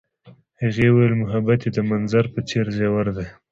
هغې وویل محبت یې د منظر په څېر ژور دی.